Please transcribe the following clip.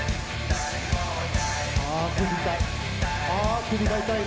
ああ首痛い。